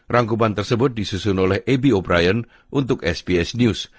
rangkuman tersebut disusun oleh ebi o brien untuk sbs news